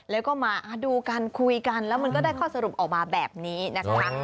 แล้วก็มาดูกันคุยกันแล้วมันก็ได้ข้อสรุปออกมาแบบนี้นะคะ